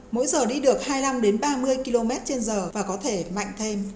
mỗi giờ đi được hai mươi năm ba mươi km trên giờ và có thể mạnh thêm